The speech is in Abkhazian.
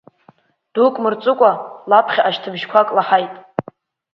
Дук мырҵыкәа лаԥхьаҟа шьҭыбжьқәак лаҳаит.